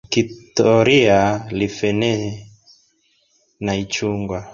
Kitoria lifenenee na ichungwa.